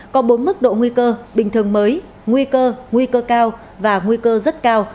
có bốn mức độ nguy cơ bình thường mới nguy cơ nguy cơ cao và nguy cơ rất cao